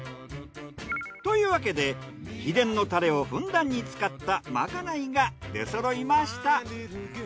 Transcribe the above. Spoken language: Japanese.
というわけで秘伝のタレをふんだんに使ったまかないが出そろいました。